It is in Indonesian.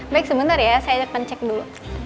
baik sebentar ya saya akan cek dulu